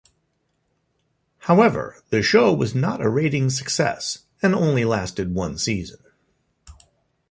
However, the show was not a ratings success and only lasted one season.